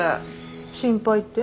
心配って？